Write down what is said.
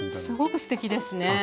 すごくすてきですね。